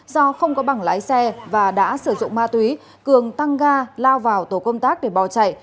do không có bảng lái xe và đã sử dụng ma túy cường tăng ga lao vào tổ công tác để bò chạy